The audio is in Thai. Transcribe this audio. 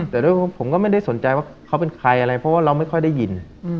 แต่ได้ความคิดว่าผมก็ไม่ได้สนใจว่าเขาเป็นใครเพราะเราไม่ค่อยได้ยิน